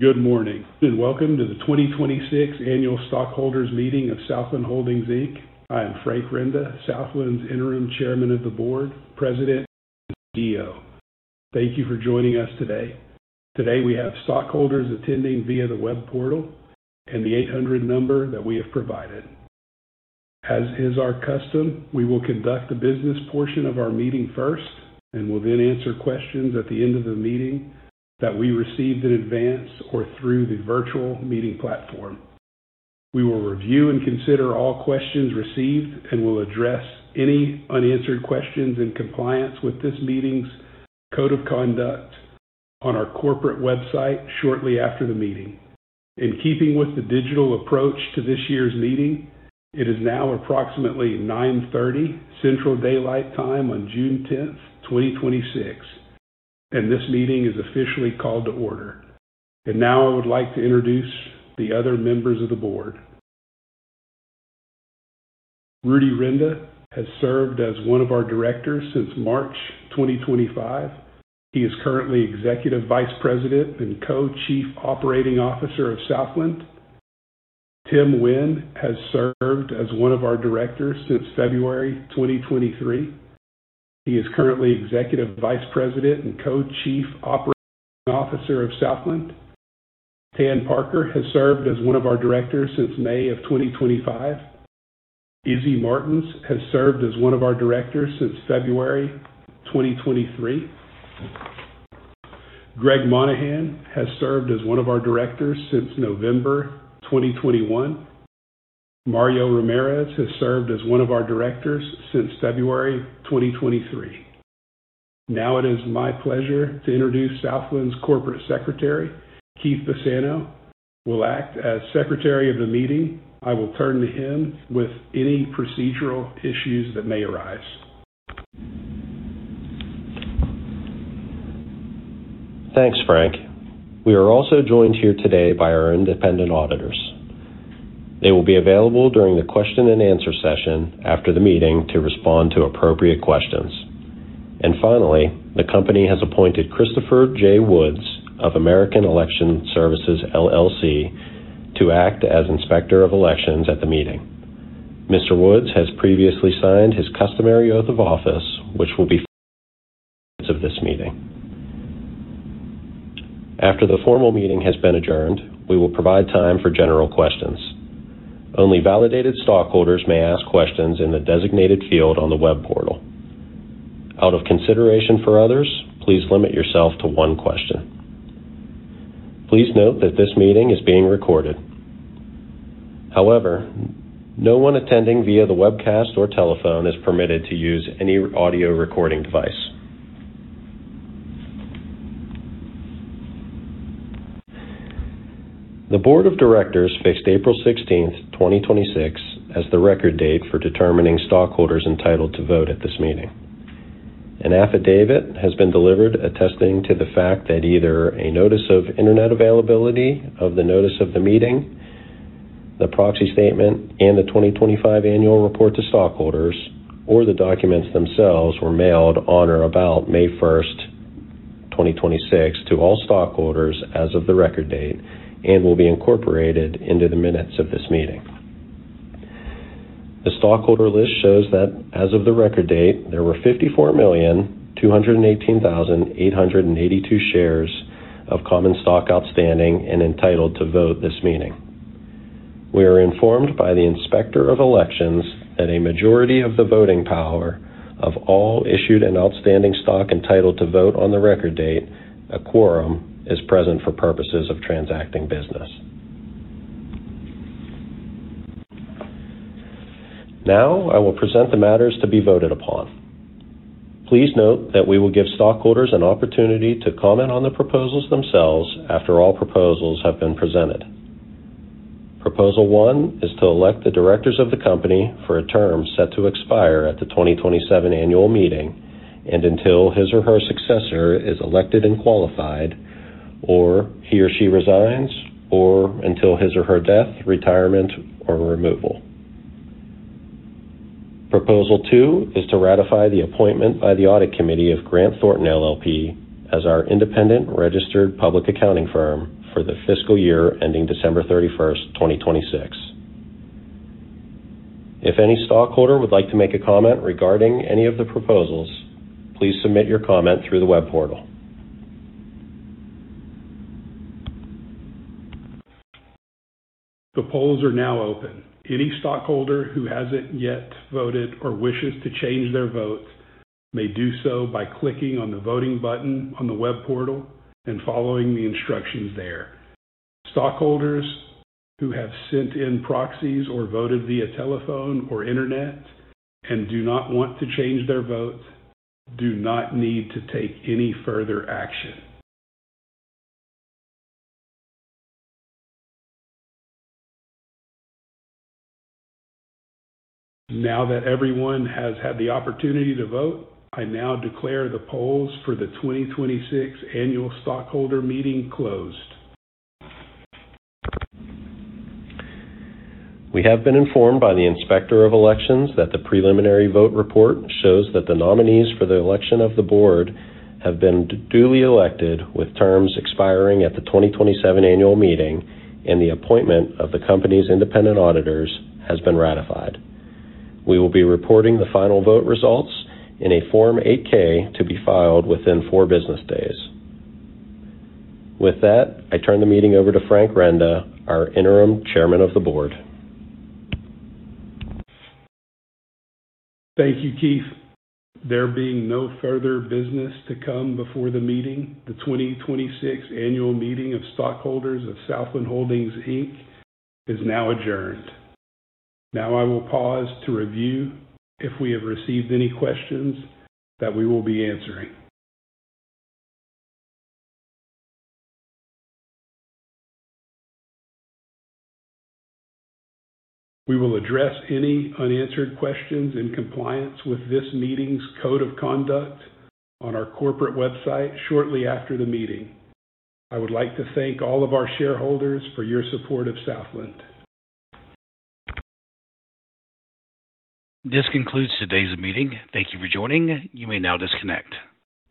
Good morning, and welcome to the 2026 Annual Stockholders Meeting of Southland Holdings, Inc. I am Frank Renda, Southland's Interim Chairman of the Board, President, and CEO. Thank you for joining us today. Today, we have stockholders attending via the web portal and the 800 number that we have provided. As is our custom, we will conduct the business portion of our meeting first and will then answer questions at the end of the meeting that we received in advance or through the virtual meeting platform. We will review and consider all questions received and will address any unanswered questions in compliance with this meeting's code of conduct on our corporate website shortly after the meeting. In keeping with the digital approach to this year's meeting, it is now approximately 9:30 A.M. Central Daylight Time on June 10th, 2026, and this meeting is officially called to order. Now I would like to introduce the other members of the board. Rudy Renda has served as one of our directors since March 2025. He is currently Executive Vice President and Co-Chief Operating Officer of Southland. Tim Winn has served as one of our directors since February 2023. He is currently Executive Vice President and Co-Chief Operating Officer of Southland. Tan Parker has served as one of our directors since May of 2025. Izilda Martins has served as one of our directors since February 2023. Gregory Monahan has served as one of our Directors since November 2021. Mario Ramirez has served as one of our directors since February 2023. Now it is my pleasure to introduce Southland's Corporate Secretary. Keith Bassano will act as Secretary of the meeting. I will turn to him with any procedural issues that may arise. Thanks, Frank. We are also joined here today by our independent auditors. They will be available during the question and answer session after the meeting to respond to appropriate questions. Finally, the company has appointed Christopher J. Woods of American Election Services, LLC, to act as Inspector of Elections at the meeting. Mr. Woods has previously signed his customary oath of office, which will be filed with the minutes of this meeting. After the formal meeting has been adjourned, we will provide time for general questions. Only validated stockholders may ask questions in the designated field on the web portal. Out of consideration for others, please limit yourself to one question. Please note that this meeting is being recorded. However, no one attending via the webcast or telephone is permitted to use any audio recording device. The Board of Directors fixed April 16th, 2026, as the record date for determining stockholders entitled to vote at this meeting. An affidavit has been delivered attesting to the fact that either a notice of internet availability of the notice of the meeting, the proxy statement, and the 2025 Annual Report to Stockholders or the documents themselves were mailed on or about May 1st, 2026, to all stockholders as of the record date and will be incorporated into the minutes of this meeting. The stockholder list shows that as of the record date, there were 54,218,882 shares of common stock outstanding and entitled to vote at this meeting. We are informed by the Inspector of Elections that a majority of the voting power of all issued and outstanding stock entitled to vote on the record date, a quorum, is present for purposes of transacting business. Now, I will present the matters to be voted upon. Please note that we will give stockholders an opportunity to comment on the proposals themselves after all proposals have been presented. Proposal 1 is to elect the directors of the company for a term set to expire at the 2027 annual meeting, and until his or her successor is elected and qualified, or he or she resigns, or until his or her death, retirement, or removal. Proposal 2 is to ratify the appointment by the Audit Committee of Grant Thornton LLP as our independent registered public accounting firm for the fiscal year ending December 31st, 2026. If any stockholder would like to make a comment regarding any of the proposals, please submit your comment through the web portal. The polls are now open. Any stockholder who hasn't yet voted or wishes to change their vote may do so by clicking on the voting button on the web portal and following the instructions there. Stockholders who have sent in proxies or voted via telephone or internet and do not want to change their vote do not need to take any further action. Now that everyone has had the opportunity to vote, I now declare the polls for the 2026 Annual Stockholder Meeting closed. We have been informed by the Inspector of Elections that the preliminary vote report shows that the nominees for the election of the board have been duly elected with terms expiring at the 2027 annual meeting and the appointment of the company's independent auditors has been ratified. We will be reporting the final vote results in a Form 8-K to be filed within four business days. With that, I turn the meeting over to Frank Renda, our Interim Chairman of the Board. Thank you, Keith Bassano. There being no further business to come before the meeting, the 2026 Annual Meeting of Stockholders of Southland Holdings, Inc. is now adjourned. I will pause to review if we have received any questions that we will be answering. We will address any unanswered questions in compliance with this meeting's code of conduct on our corporate website shortly after the meeting. I would like to thank all of our shareholders for your support of Southland. This concludes today's meeting. Thank you for joining. You may now disconnect.